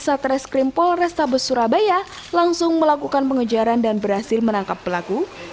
satreskrim polrestabes surabaya langsung melakukan pengejaran dan berhasil menangkap pelaku